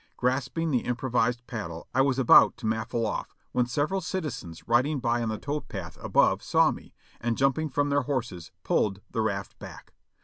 Grasping the im provised paddle I was about to mafle off, when several citizens riding by on the tow path above saw me. and jumping from their horses pulled the raft back.